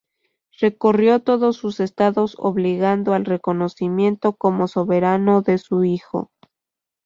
Recorrió todos sus estados obligando al reconocimiento como soberano de su hijo.